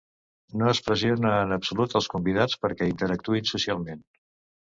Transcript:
No es pressiona en absolut els convidats perquè interactuïn socialment.